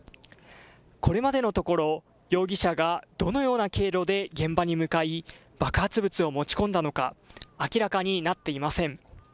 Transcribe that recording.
これまでのところ容疑者がどのような経路で現場に向かい爆発物を持ち込んだのか明らかになっていません。